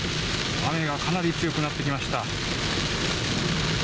雨がかなり強くなってきました。